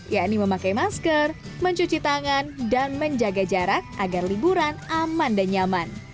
yakni memakai masker mencuci tangan dan menjaga jarak agar liburan aman dan nyaman